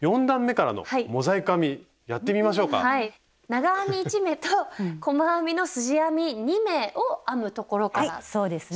長編み１目と細編みのすじ編み２目を編むところからですね。